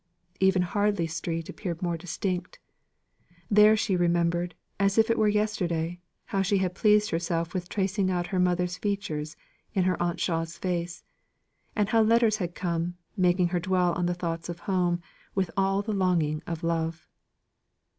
Even Harley Street appeared more distinct; there she remembered, as if it were yesterday, how she had pleased herself with tracing out her mother's features in her Aunt Shaw's face, and how letters had come, making her dwell on the thoughs of home with all the longing of love.